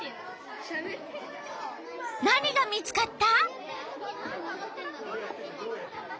何が見つかった？